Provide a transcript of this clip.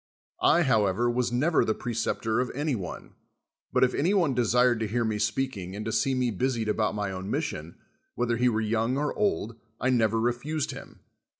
I, however, was never the pre ceptor of any one ; but if any one desired to hear me speaking and to see me busied a])Out my own mission, whether he were young or old, I never refused him.